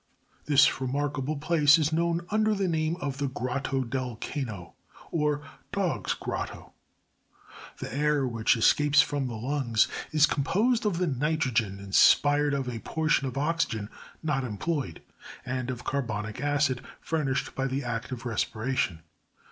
This remarable place is known under the name of the Grotto del Cano, or doff's grotto.] 30. The air which escapes from the lungs is composed of the nitrogen inspired, of a portion of oxygen not employed, and of carbonic acid furnished by the act of respiration.